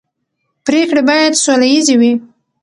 پرېکړې باید سوله ییزې وي